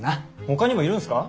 ほかにもいるんすか？